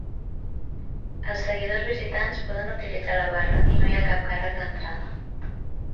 Els seguidors visitants poden utilitzar la barra i no hi ha cap càrrec d'entrada.